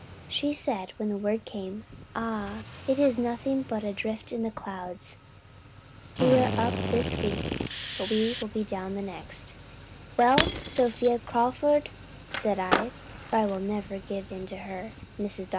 She said, when the word came, 'Ah, it is nothing but a rift in the clouds. We are up this week but we will be down the next.' 'Well, Sophia Crawford,' said I, for I will never give in to her, Mrs. Dr.